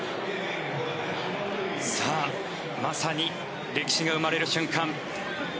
さあ、まさに歴史が生まれる瞬間。